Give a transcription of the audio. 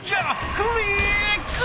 クリック！